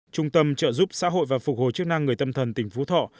trung tâm trợ giúp xã hội và phục hồi chức năng người tâm thần tỉnh phú thọ